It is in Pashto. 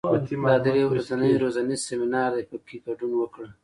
دا درې ورځنی روزنیز سیمینار دی، په کې ګډون وکړه.